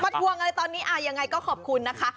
มัดวงเลยตอนนี้ยังไงก็ขอบคุณนะคะ